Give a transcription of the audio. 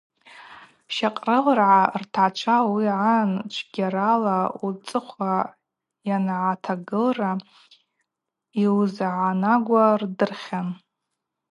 Щакърылргӏа ртгӏачва ауи агӏан чвгьарала уцӏыхъва йангӏатагылра йуызгӏанагуа рдырхьан.